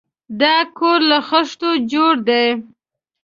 دا کور له خښتو جوړ دی.